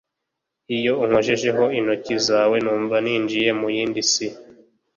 Iyo unkojejeho intoki zawe numva ninjiye mu yindi si